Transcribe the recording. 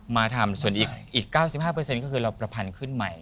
มาทำส่วนอีก๙๕เปอร์เซ็นต์ก็คือเราประพันขึ้นใหม่